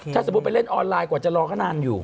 ถ้าสมมุติไปเล่นออนไลน์กว่าจะรอเขานานอยู่